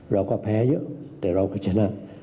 เราก็แพ้เยอะแต่เราก็ชนะ